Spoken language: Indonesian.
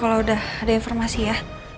kalau udah ada informasi ya